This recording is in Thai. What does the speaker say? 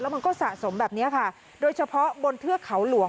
มันก็สะสมแบบนี้ค่ะโดยเฉพาะบนเทือกเขาหลวง